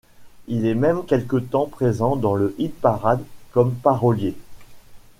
Il est même quelque temps présent dans le hit-parade comme parolier.